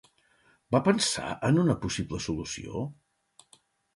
Va pensar en una possible solució?